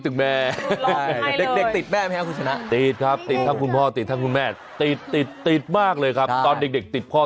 เออหลอดแต่ผมนี่โตมาติดเมีย